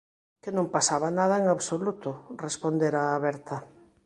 Que non pasaba nada en absoluto, respondera a Berta.